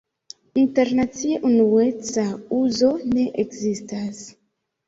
Internacie unueca uzo ne ekzistas.